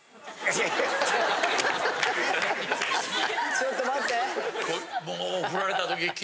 ちょっと待って。